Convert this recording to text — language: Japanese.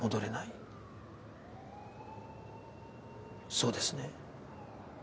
そうですね？